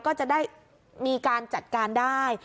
ก็จะได้มีการจัดการได้